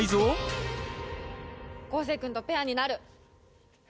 昴生君とペアになる。